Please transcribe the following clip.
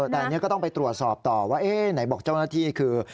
แต่อันนี้ก็ต้องไปตรวจสอบต่อว่าเอ๊ะไหนบอกเจ้าหน้าที่คือ